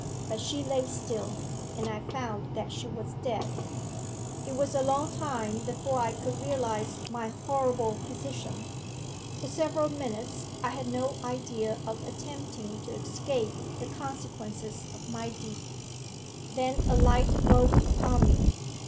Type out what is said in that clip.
But she lay still, and I found that she was dead. 'It was a long time before I could realize my horrible position. For several minutes I had no idea of attempting to escape the consequences of my deed. Then a light broke upon me.